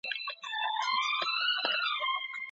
د نجونو لیلیه بې هدفه نه تعقیبیږي.